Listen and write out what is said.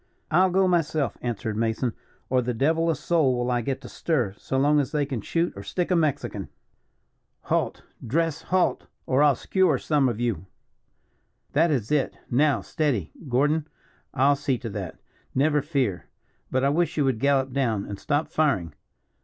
"I'll go myself," answered Mason, "or the devil a soul will I get to stir, so long as they can shoot or stick a Mexican. Halt! dress halt! or I'll scewer some of you. That is it. Now steady. Gordon, I'll see to that never fear. But I wish you would gallop down, and stop firing.